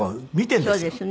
そうですね。